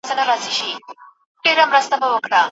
تاسي باید خپلي نوي پګړۍ په پوره سلیقې او ادب سره وتړئ.